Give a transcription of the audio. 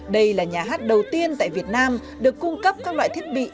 đây là nhà hát đầu tiên tại việt nam được cung cấp các loại thiết bị